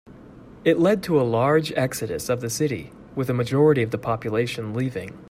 It led to a large exodus of the city, with a majority of the population leaving.